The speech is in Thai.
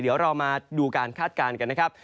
เดี๋ยวเรามาดูการคาดการณ์กันนะครับ